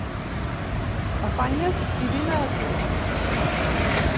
Afanya't i vine aquí.